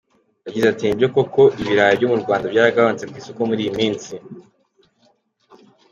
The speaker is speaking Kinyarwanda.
Yagize ati “Nibyo koko ibirayi byo mu Rwanda byaragabanutse ku isoko muri iyi minsi.